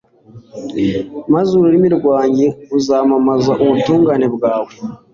maze ururimi rwanjye ruzamamaze ubutungane bwawe